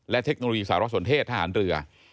และเทคโนโลยีสารสนเทศทหารเรือ